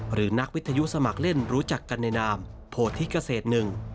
หรือนักวิทยุสมัครเล่นรู้จักกันในนามโพธิเกษตรหนึ่ง